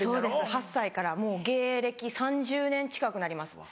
８歳からもう芸歴３０年近くなります。